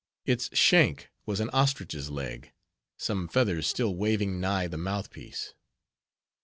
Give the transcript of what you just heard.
Its shank was an ostrich's leg, some feathers still waving nigh the mouth piece.